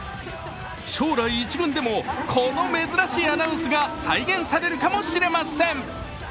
将来、１軍でもこの珍しいアナウンスが再現されるかもしれません。